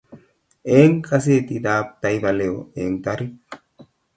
eng gazetit ab taifa leo eng tarik